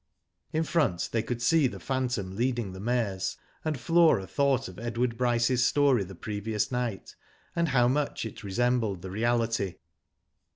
In front they could see the phantom leading the marcs, and Flora thought of Edward Bryce's story the previous night, and how much it re sembled the reality.